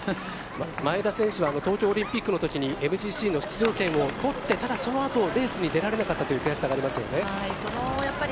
前田選手は東京オリンピックの時にＭＧＣの出場権を取ってただそのあと、レースに出られなかったという悔しさがありますよね。